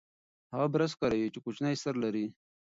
هغه برس کاروي چې کوچنی سر لري.